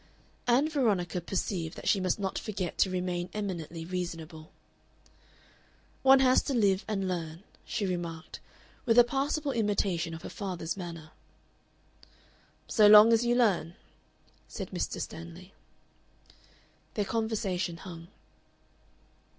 Ann Veronica perceived that she must not forget to remain eminently reasonable. "One has to live and learn," she remarked, with a passable imitation of her father's manner. "So long as you learn," said Mr. Stanley. Their conversation hung.